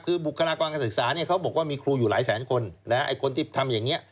คือบุคลากวางศึกษาเนี่ยเขาบอกว่ามีครูอยู่หลายแสนคน